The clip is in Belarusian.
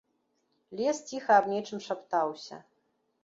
Лес ціха аб нечым шаптаўся.